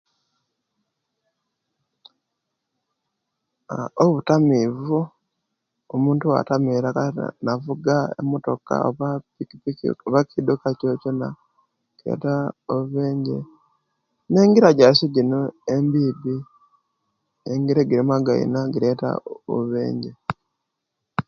Obutamivu omuntu owatamira Kaite navuga motoka oba pikipiki oba ekiduka kyonakyona kireta obubenje nengira jaisu jino embibi engira ejirimu againa ejireta obubenje